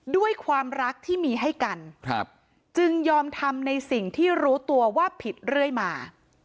ด้วยความรักที่มีให้กันจึงยอมทำในสิ่งที่รู้ตัวว่าผิดเรื่อยมา